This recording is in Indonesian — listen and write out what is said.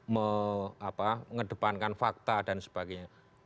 mengedepankan fakta dan sebagainya